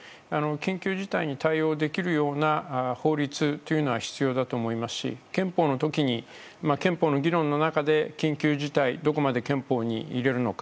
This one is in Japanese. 緊急事態に対応できるような法律というのは必要だと思いますし憲法の議論の中で緊急事態をどこまで憲法に入れるのか。